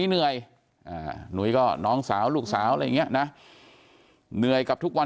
เหนื่อยหนุ้ยก็น้องสาวลูกสาวอะไรอย่างนี้นะเหนื่อยกับทุกวัน